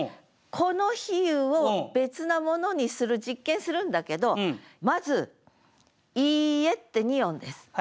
この比喩を別なものにする実験するんだけどまず「家」って２音です。